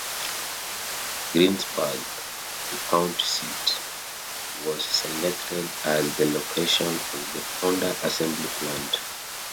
Greensburg, the county seat, was selected as the location of the Honda assembly plant.